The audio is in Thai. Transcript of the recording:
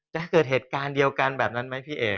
จะเกิดเหตุการณ์เดียวกันแบบนั้นไหมพี่เอก